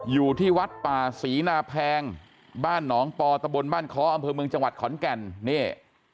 อยู่ที่วัดป่าศรีนาแพงบ้านหนองปอตะบนบ้านค้ออำเภอเมืองจังหวัดขอนแก่นนี่